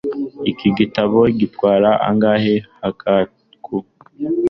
Iki gitabo gitwara angahe Hakaku